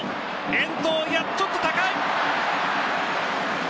遠投、ちょっと高い。